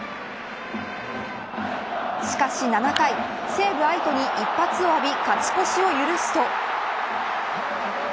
しかし７回西武、愛斗に一発を浴び勝ち越しを許すと。